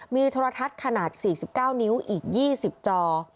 มีโทรทัศน์ขนาด๔๙นิ้วอีก๒๐จอ